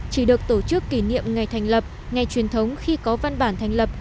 chỉ được tổ chức kỷ niệm ngày thành lập ngày truyền thống khi có văn bản thành lập